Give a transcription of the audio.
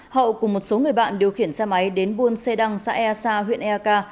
hậu cùng một số người bạn điều khiển xe máy đến buôn xê đăng xã e a sa huyện e a ca